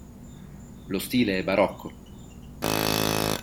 Lo stile è barocco.